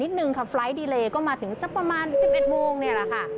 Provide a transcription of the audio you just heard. นิดนึงค่ะฟไลท์ดีเลยก็มาถึงจะประมาณจิบเอ็ดมุงเนี่ยแหละค่ะ